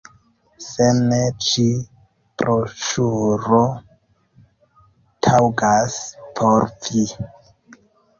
Se ne, ĉi broŝuro taŭgas por vi.